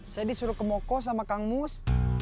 saya disuruh ke moko sama kang mus